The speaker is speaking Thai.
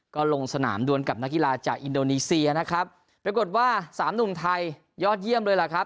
ก็ลงสนามดวนกับนักกีฬาจากอินโดนีเซียนะครับปรากฏว่าสามหนุ่มไทยยอดเยี่ยมเลยล่ะครับ